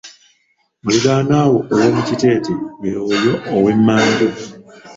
Muliranwawo owomukitete ye oyo ow'emmanju.